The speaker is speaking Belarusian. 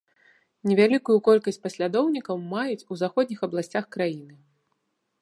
Невялікую колькасць паслядоўнікаў маюць у заходніх абласцях краіны.